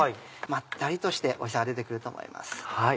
まったりとしておいしさが出て来ると思います。